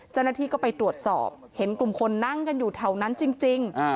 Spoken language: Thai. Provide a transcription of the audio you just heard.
เจ้าหน้าที่ก็ไปตรวจสอบเห็นกลุ่มคนนั่งกันอยู่แถวนั้นจริง